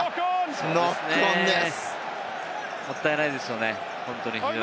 ノックオンです。